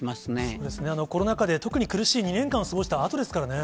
そうですね、コロナ禍で特に厳しい２年間を過ごしたあとですからね。